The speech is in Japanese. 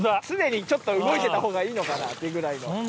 常にちょっと動いてた方がいいのかなっていうぐらいの。